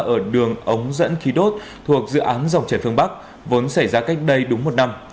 ở đường ống dẫn khí đốt thuộc dự án dòng trẻ phương bắc vốn xảy ra cách đây đúng một năm